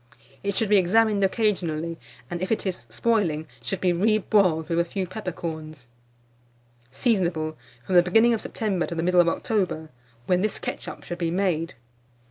It should be examined occasionally, and if it is spoiling, should be reboiled with a few peppercorns. Seasonable from the beginning of September to the middle of October, when this ketchup should be made.